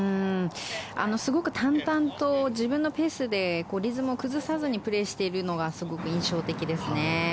すごく淡々と自分のペースでリズムを崩さずにプレーしているのが印象的ですね。